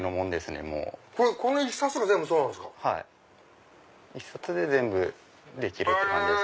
１冊で全部できるって感じです。